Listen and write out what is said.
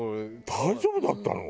大丈夫だったの？